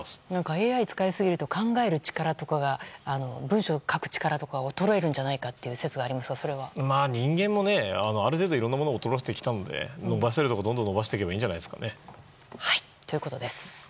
ＡＩを使いすぎると考える力とか文章を書く力とかが衰えるんじゃないかという説が人間もいろんなものが衰えてきたといわれてるので伸ばせるところをどんどん伸ばしていけばいいんじゃないですかね。